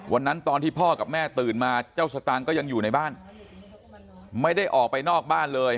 วันที่พ่อกับแม่ตื่นมาเจ้าสตางค์ก็ยังอยู่ในบ้านไม่ได้ออกไปนอกบ้านเลย